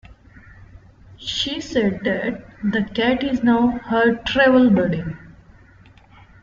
She said that the cat is now her travel buddy.